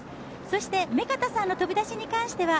そして目片さんの飛び出しに関しては